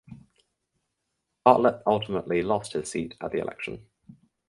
Bartlett ultimately lost his seat at the election.